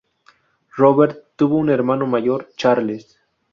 Robert tuvo un hermano mayor, Charles.